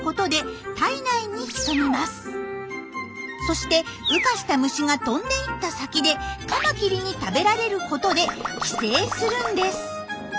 そして羽化した虫が飛んで行った先でカマキリに食べられることで寄生するんです。